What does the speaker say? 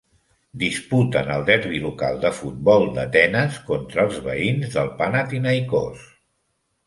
Disputen el derbi local de futbol d'Atenes contra els veïns del Panathinaikos.